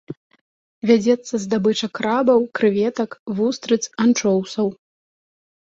Вядзецца здабыча крабаў, крэветак, вустрыц, анчоўсаў.